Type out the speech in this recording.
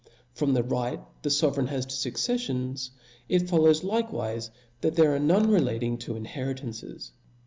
From the right the fovereign has to fucceffions, it follows likewife that there are none relating to inheritances.